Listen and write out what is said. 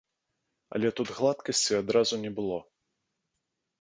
Але тут гладкасці адразу не было.